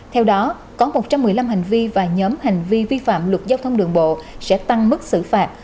theo đó có một trăm một mươi năm hành vi và nhóm hành vi vi phạm luật giao thông đường bộ sẽ tăng mức xử phạt